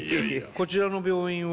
こちらの病院は？